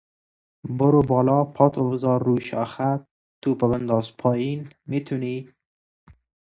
برو بالا، پاتو بزار رو شاخه، توپو بنداز پایین، میتونی؟